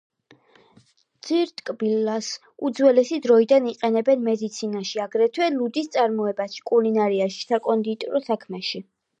ძირტკბილას უძველესი დროიდან იყენებენ მედიცინაში, აგრეთვე ლუდის წარმოებაში, კულინარიაში, საკონდიტრო საქმეში.